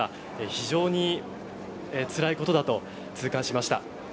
非常につらいことだと痛感しました。